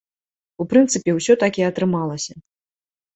У прынцыпе, усё так і атрымалася.